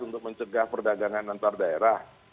untuk mencegah perdagangan antar daerah